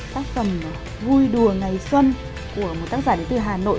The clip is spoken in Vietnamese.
tác phẩm vui đùa ngày xuân của một tác giả đến từ hà nội